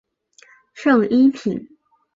正一品。